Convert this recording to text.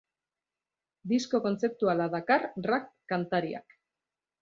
Disko kontzeptuala dakar rap kantariak.